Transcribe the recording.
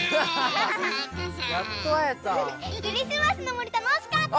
クリスマスのもりたのしかった！